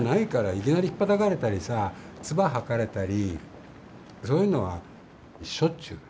いきなりひっぱたかれたりさ唾吐かれたりそういうのはしょっちゅう。